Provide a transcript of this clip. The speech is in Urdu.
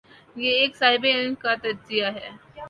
یہ ایک صاحب علم کا تجزیہ ہے۔